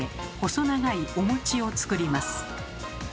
細長いお餅を作ります。